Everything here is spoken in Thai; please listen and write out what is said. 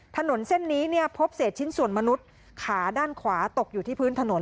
ถนนเส้นนี้เนี่ยพบเศษชิ้นส่วนมนุษย์ขาด้านขวาตกอยู่ที่พื้นถนน